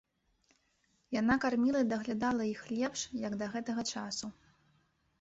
Яна карміла і даглядала іх лепш, як да гэтага часу.